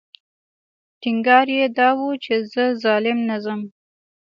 ټینګار یې دا و چې زه ظالم نه ځم.